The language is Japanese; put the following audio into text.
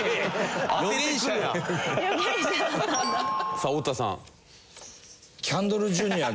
さあ太田さん。